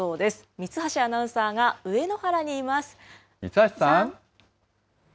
三橋アナウンサーが上野原にいます。